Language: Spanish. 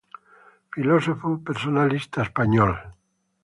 Filósofo personalista español.